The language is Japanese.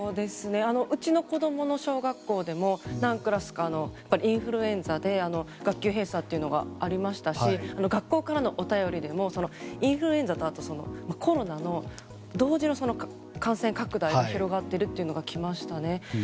うちの子供の小学校でも何クラスかインフルエンザで学級閉鎖がありましたし学校からのお便りでもインフルエンザとコロナの同時の感染拡大も広がっているというのが来ましたね。